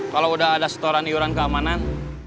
kalau sudah ada setoran iuran keamanan